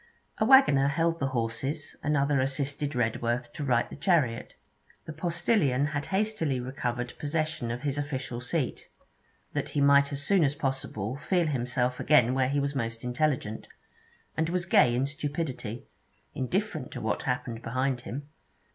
A waggoner held the horses, another assisted Redworth to right the chariot. The postillion had hastily recovered possession of his official seat, that he might as soon as possible feel himself again where he was most intelligent, and was gay in stupidity, indifferent to what happened behind him.